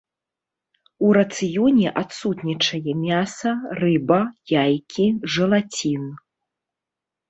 У рацыёне адсутнічае мяса, рыба, яйкі, жэлацін.